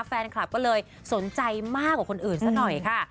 แฟนคลับก็เลยสนใจมากกว่าคนอื่นซะหน่อยค่ะ